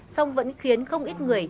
song vẫn khiến không ít người